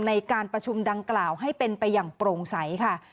ในการประชุมดังกล่าวให้เป็นไปอย่างโปร่งใสค่ะ